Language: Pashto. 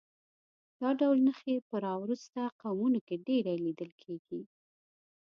دا ډول نښې په راوروسته قومونو کې ډېرې لیدل کېږي